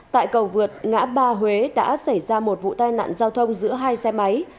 tại cầu vượt ngã ba huế đã xảy ra một vụ tai nạn giao thông giữa hai xe máy